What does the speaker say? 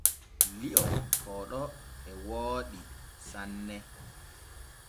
Li’o kooɗo e wooɗi sanne.